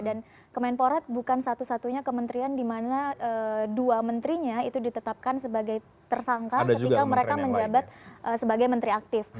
dan kemenporat bukan satu satunya kementerian di mana dua menterinya itu ditetapkan sebagai tersangka ketika mereka menjabat sebagai menteri aktif